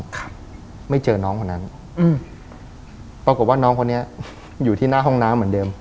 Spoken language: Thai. ครับไม่เจอน้องคนนั้นอืมปรากฏว่าน้องคนนี้อยู่ที่หน้าห้องน้ำเหมือนเดิม